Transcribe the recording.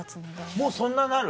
もうそんななる？